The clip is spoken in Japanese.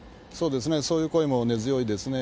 そういう声も根強いですね。